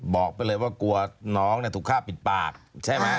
บอกไปเลยว่ากลัวน้องถูกฆ่าปิดปากใช่ไหม